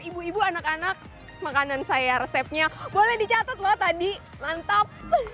ibu ibu anak anak makanan saya resepnya boleh dicatat loh tadi mantap